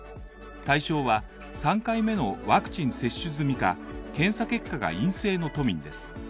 対象は３回目のワクチン接種済みか、検査結果が陰性の都民です。